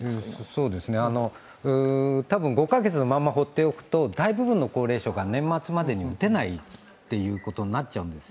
そうですね、多分、５か月のまま放っておくと大部分の高齢者が年末までに打てないということになっちゃうんです。